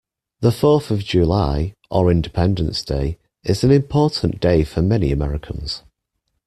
The fourth of July, or Independence Day, is an important day for many Americans.